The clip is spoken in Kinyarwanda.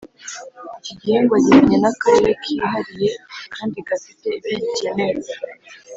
Iki gihingwa gihwanye n’akarere kihariye kandi gafite ibyo gikeneye